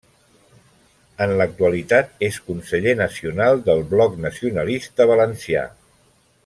En l'actualitat és Conseller Nacional del Bloc Nacionalista Valencià.